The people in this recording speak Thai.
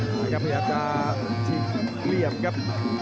พยายามจะชิงเหลี่ยมครับ